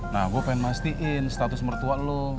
nah gue pengen mastiin status mertua lo